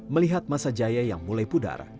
melihat masa jaya yang mulai pudar